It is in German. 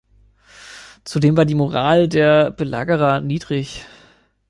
Zudem war die Moral der Belagerer niedrig.